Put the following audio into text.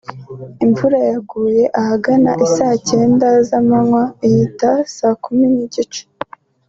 imvura yaguye ahagana isaa cyenda z’amanywa ihita saa kumi n’igice